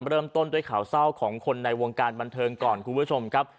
เริ่มต้นด้วยข่าวเศร้าของคนในวงการบันเทิงก่อนคุณผู้ชมครับ